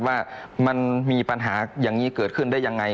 ว่ามันมีปัญหาอย่างนี้เกิดขึ้นได้ยังไง